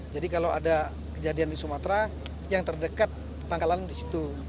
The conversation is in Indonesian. jadi kalau ada kejadian di sumatera yang terdekat pangkalan di situ